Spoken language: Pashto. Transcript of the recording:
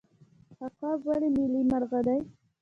عقاب ولې ملي مرغه دی؟